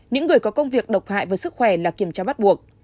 những người có công việc độc hại với sức khỏe là kiểm tra bắt buộc